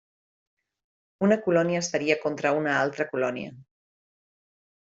Una colònia estaria contra una altra colònia.